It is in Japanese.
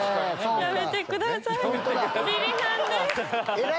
やめてください。